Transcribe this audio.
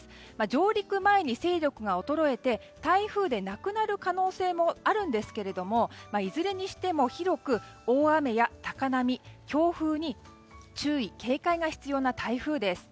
上陸前に勢力が衰えて台風でなくなる可能性もあるんですけれどもいずれにしても広く大雨や高波強風に注意・警戒が必要な台風です。